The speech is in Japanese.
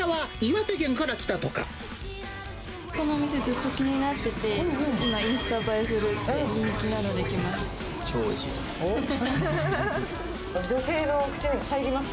この店、ずっと気になってて、今、インスタ映えするって人気なので来まし超おいしいです。